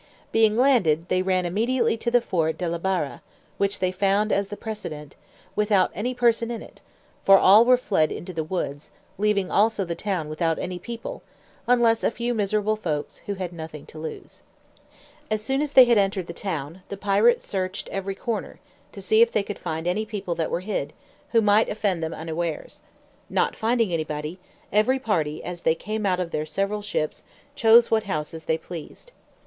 Being landed, they ran immediately to the fort De la Barra, which they found as the precedent, without any person in it, for all were fled into the woods, leaving also the town without any people, unless a few miserable folks, who had nothing to lose. As soon as they had entered the town, the pirates searched every corner, to see if they could find any people that were hid, who might offend them unawares; not finding anybody, every party, as they came out of their several ships, chose what houses they pleased.